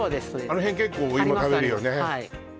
あの辺結構おいも食べるよね